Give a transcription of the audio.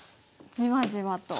じわじわと。